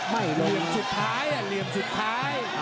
เหนียบจุดท้าย